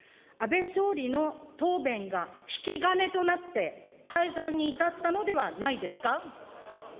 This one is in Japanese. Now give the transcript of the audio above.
安倍総理の答弁が引き金となって、改ざんに至ったのではないですか。